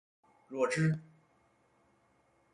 弱智？